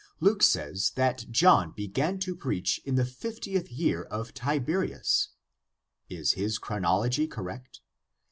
Luke says that John began to preach in the fifteenth year of Tiberius. Is his chronology correct?